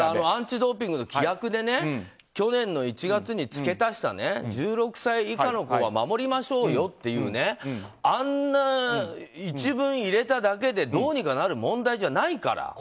アンチ・ドーピングの規約でね去年の１月に付け足した１６歳以下の子は守りましょうよというあんな一文入れただけでどうにかなる問題じゃないから。